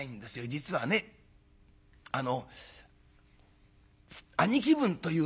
実はねあの兄貴分というのが来てましてね」。